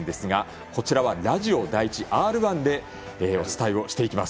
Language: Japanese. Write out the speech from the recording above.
こちらはラジオ第１でお伝えをしていきます。